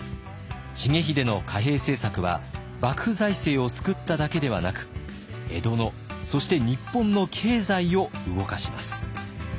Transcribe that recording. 重秀の貨幣政策は幕府財政を救っただけではなく江戸のそして日本の経済を動かします。